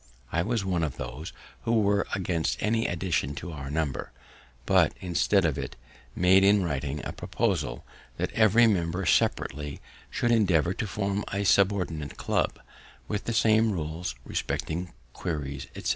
I was one of those who were against any addition to our number, but, instead of it, made in writing a proposal, that every member separately should endeavour to form a subordinate club, with the same rules respecting queries, etc.